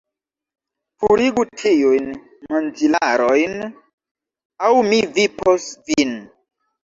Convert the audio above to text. Purigu tiujn manĝilarojn! aŭ mi vipos vin!